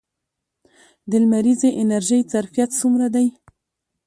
د لمریزې انرژۍ ظرفیت څومره دی؟